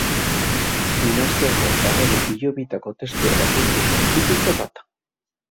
Dinastiako errege hilobietako testu erlijioso tipiko bat.